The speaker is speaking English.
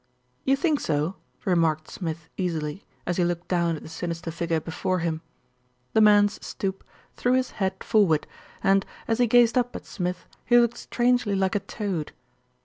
"You think so?" remarked Smith easily, as he looked down at the sinister figure before him. The man's stoop threw his head forward and, as he gazed up at Smith, he looked strangely like a toad.